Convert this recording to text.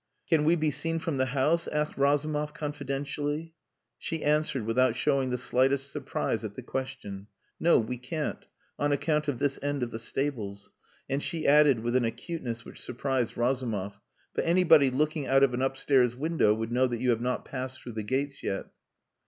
"Can we be seen from the house?" asked Razumov confidentially. She answered, without showing the slightest surprise at the question "No, we can't, on account of this end of the stables." And she added, with an acuteness which surprised Razumov, "But anybody looking out of an upstairs window would know that you have not passed through the gates yet."